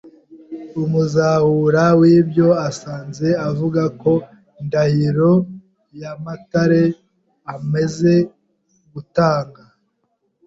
Umuzahura w’ibyo asanze avuga ko Ndahiro II yamatare amaze gutanga